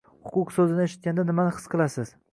«huquq» so‘zini eshitganda nimani his qilasiz?